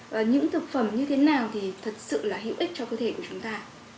và những thực phẩm như thế nào thì thật sự là hữu ích cho cơ thể của chúng ta